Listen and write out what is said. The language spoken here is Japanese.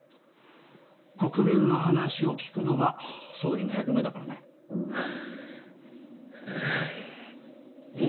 国民の話を聴くのが総理の役目だからねはははっ。